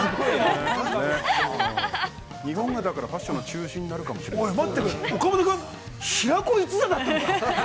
日本が、だから、ファッションの中心になるかもしれませんね。